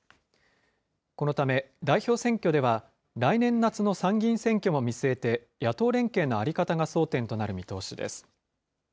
このため、代表選挙では来年夏の参議院選挙も見据えて、野党連携の在り方が争点となる見通しです。